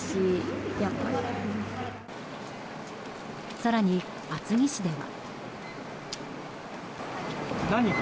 更に厚木市では。